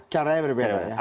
caranya berbeda ya